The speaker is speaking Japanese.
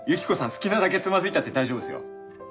好きなだけつまずいたって大丈夫っすよ。